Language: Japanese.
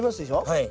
はい。